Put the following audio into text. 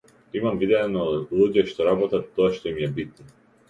Имам видено луѓе што работат тоа што им е битно.